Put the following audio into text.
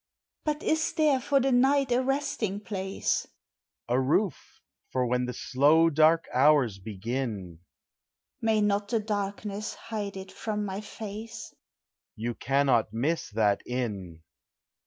But is there for the night a resting place? A roof for tvhen the slow dark hours begin. May not the darkness hide it from my face? You cannot miss that inn.